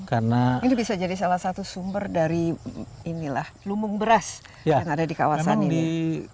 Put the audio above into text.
ini bisa jadi salah satu sumber dari lumbung beras yang ada di kawasan ini